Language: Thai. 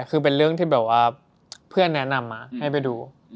คือเป็นเรื่องที่แบบว่าเพื่อนแนะนำมาให้ไปดู